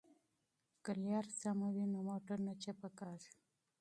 که لار سمه وي نو موټر نه چپه کیږي.